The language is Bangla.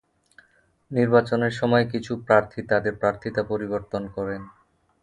নির্বাচনের সময় কিছু প্রার্থী তাদের প্রার্থীতা পরিবর্তন করেন।